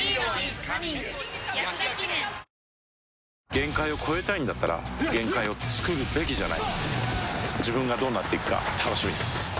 限界を越えたいんだったら限界をつくるべきじゃない自分がどうなっていくか楽しみです